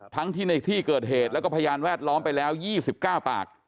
ทั้งที่ในที่เกิดเหตุแล้วก็พยานแวดล้อมไปแล้ว๒๙ปาก